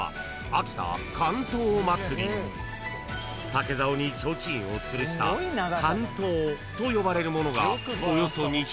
［竹ざおに提灯をつるした竿燈と呼ばれるものが］